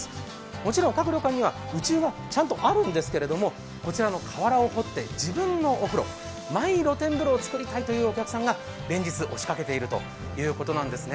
もちろん各旅館には内湯もちゃんとあるんですけれども、こちらの河原を掘って自分のお風呂マイ露天風呂を作りたいというお客さんが連日押しかけているというんですね。